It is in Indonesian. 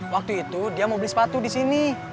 waktu itu dia mau beli sepatu disini